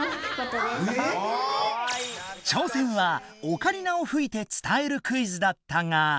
挑戦はオカリナを吹いて伝えるクイズだったが。